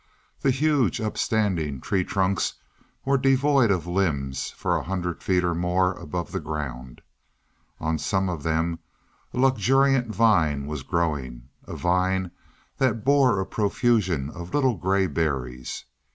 The huge, upstanding tree trunks were devoid of limbs for a hundred feet or more above the ground. On some of them a luxuriant vine was growing a vine that bore a profusion of little gray berries.